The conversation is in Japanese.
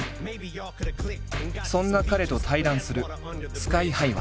そんな彼と対談するＳＫＹ−ＨＩは。